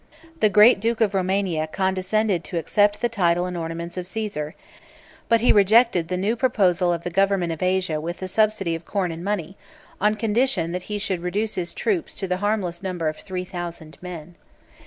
The great duke of Romania condescended to accept the title and ornaments of Cæsar; but he rejected the new proposal of the government of Asia with a subsidy of corn and money, 497 on condition that he should reduce his troops to the harmless number of three thousand men.